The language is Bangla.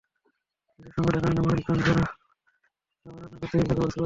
গ্যাসের সংকটের কারণে মানিকগঞ্জ জেলা কারাগারের বন্দীদের খাবার রান্না করতে বিপাকে পড়েছে কর্তৃপক্ষ।